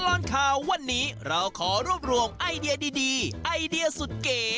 ตลอดข่าววันนี้เราขอรวบรวมไอเดียดีไอเดียสุดเก๋